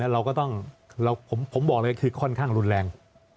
เราก็ต้องผมบอกเลยคือค่อนข้างรุนแรง